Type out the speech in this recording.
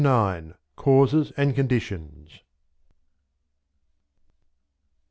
IX. CAUSES AND CONDITIONS.